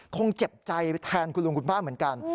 คงเจ็บใจแทนคุณลุงคุณป้าเหมือนกัน